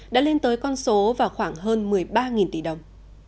đã lên tới con số vào khoảng hơn một mươi ba tỷ đồng